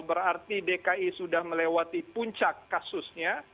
berarti dki sudah melewati puncak kasusnya